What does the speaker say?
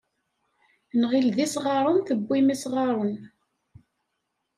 Nɣil d isɣaren tewwim isɣaren.